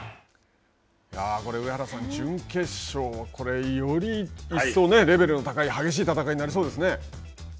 これ、上原さん、準決勝はこれ、より一層、レベルの高い、激しい戦いになりそうですね。